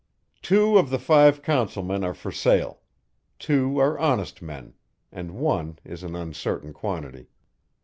"Two of the five councilmen are for sale; two are honest men and one is an uncertain quantity.